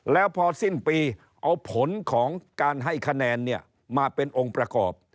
แล้วพอสิ้นปีเอาผลของการให้คะแนนเนี่ยมาเป็นองค์ประกอบ